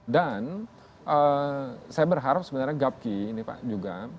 dan saya berharap sebenarnya gapki ini pak juga